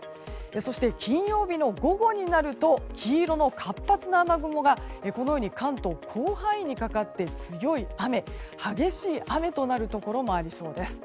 そして、金曜日の午後になると黄色の活発な雨雲が関東の広範囲にかかって強い雨激しい雨となるところもありそうです。